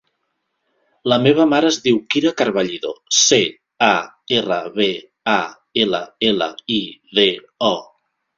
La meva mare es diu Kira Carballido: ce, a, erra, be, a, ela, ela, i, de, o.